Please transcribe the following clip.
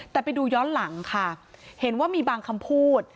แต่ไปดูย้อนหลังค่ะเห็นว่ามีบางคำพูด